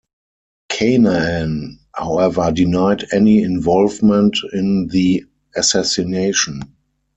Kanaan however denied any involvement in the assassination.